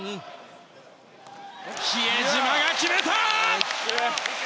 比江島が決めた！